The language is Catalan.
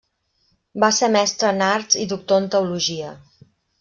Va ser mestre en arts i doctor en teologia.